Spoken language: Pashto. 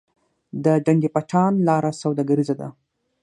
د ډنډ پټان لاره سوداګریزه ده